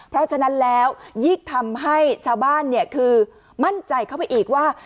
เพราะฉะนั้นแล้วยิ่งทำให้ชาวบ้านคือมั่นใจเข้าไปอีกว่า